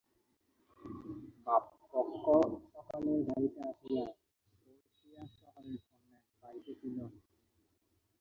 বাবপক্ষ সকালের গাড়িতে আসিয়া পৌঁছিয়া শহরের অন্য এক বাড়িতে ছিল।